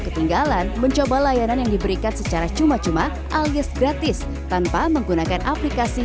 ketinggalan mencoba layanan yang diberikan secara cuma cuma alias gratis tanpa menggunakan aplikasi